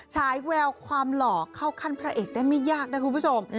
ฉายแววความหล่อเข้าขั้นพระเอกได้ไม่ยากนะคุณผู้ชม